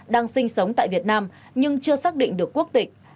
đang sinh sống tại việt nam nhưng chưa xác định được quốc tịch